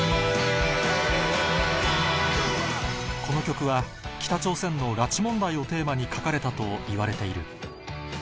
この曲は北朝鮮の拉致問題をテーマに書かれたといわれている